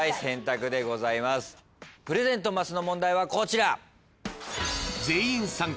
プレゼントマスの問題はこちら。